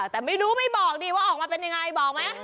แต่ไม่รู้ไม่บอกดีว่าออกมาเป็นยังไงบอกไหม